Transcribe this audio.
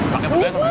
pakai petain enak